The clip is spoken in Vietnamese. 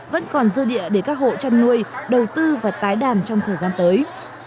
vẫn còn dư địa để các hộ chăn nuôi đầu tư và tái đàn trong thời gian tới